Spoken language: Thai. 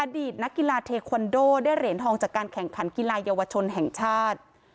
อดีตนักกีฬาเทควันโดได้เหรียญทองจากการแข่งขันกีฬาเยาวชนแห่งชาติ